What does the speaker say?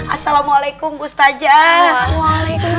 assalamualaikum bu stajat